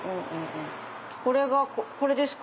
これがこれですか？